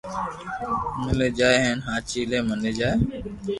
ملي جائي ھين ھاچي لي ملي جائي